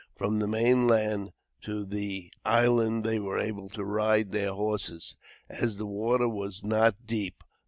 From the main land to the island they were able to ride their horses, as the water was not deep.